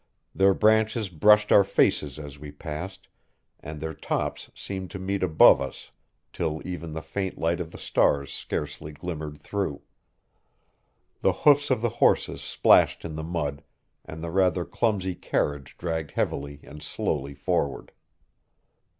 Their branches brushed our faces as we passed, and their tops seemed to meet above us till even the faint light of the stars scarcely glimmered through. The hoofs of the horses splashed in the mud, and the rather clumsy carriage dragged heavily and slowly forward.